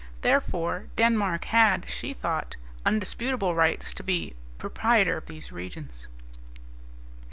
Therefore, Denmark had, she thought, undisputable rights to be proprietor of these regions.